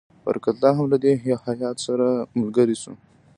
برکت الله هم له دې هیات سره ملګری شو.